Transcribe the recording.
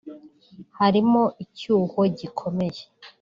harimo icyuho gikomeye